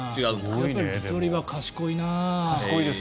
やっぱりレトリバー、賢いな。